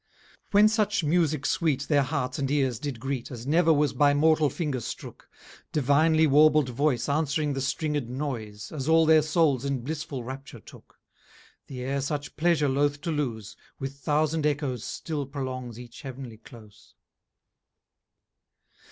IX When such Musick sweet Their hearts and ears did greet, As never was by mortal finger strook, Divinely warbled voice Answering the stringed noise, As all their souls in blisfull rapture took: The Air such pleasure loth to lose, With thousand echo's still prolongs each heav'nly close.